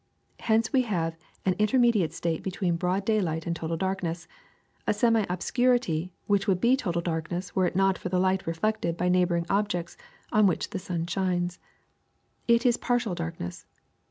Hence we have an intermediate state between broad daylight and total darkness, a semi obscurity which would be total darkness were it not for the light reflected by neighboring objects on which the sun shines. It is partial darkness.